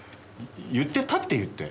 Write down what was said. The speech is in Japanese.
「言ってた」って言って。